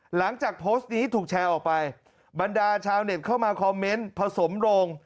หลังจากโพสต์นี้ถูกแชร์ออกไปบรรดาชาวเน็ตเข้ามาคอมเมนต์ผสมโรง